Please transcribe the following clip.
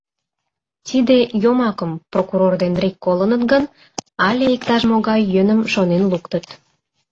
Тиде «йомакым» прокурор ден рик колыныт гын, але иктаж-могай йӧным шонен луктыт...